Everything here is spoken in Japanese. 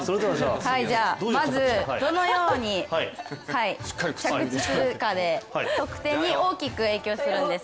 まずどのように着地するかで得点に大きく影響するんです。